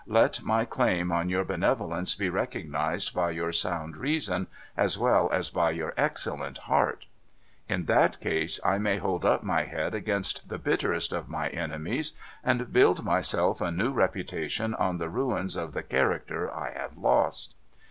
Let my claim on your benevolence be recognised by your sound reason as well as by your excellent heart. In ///<// case, I may hold up my head against the bitterest of my enemies, and build myself a new reputation on the ruins of the character I have lost.'